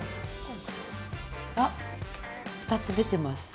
あっ、２つ出てます。